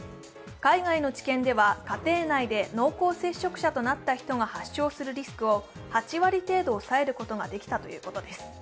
海外の治験では、家庭内で濃厚接触者となった人が発症するリスクを８割程度抑えることができたということです。